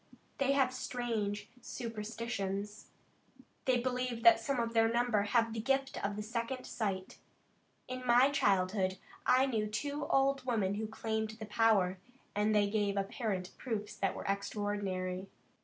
They have strange superstitions. They believe that some of their number have the gift of second sight. In my childhood I knew two old women who claimed the power, and they gave apparent proofs that were extraordinary.